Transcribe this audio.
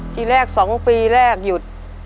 ทีแรก๒ปีแรกหยุด